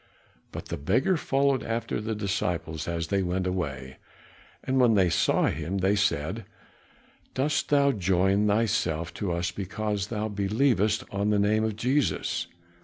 But the beggar followed after the disciples as they went away, and when they saw him they said, "Dost thou join thyself to us because thou believest on the name of Jesus?"